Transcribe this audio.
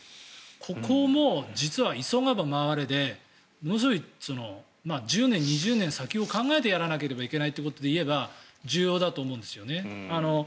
ここも実は急がば回れでものすごい１０年、２０年先を考えてやらなきゃいけないということで言えば重要だと思うんですよね。